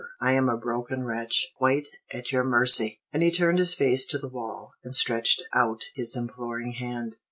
I am a broken wretch, quite at your mercy!" And he turned his face to the wall, and stretched out his imploring hand.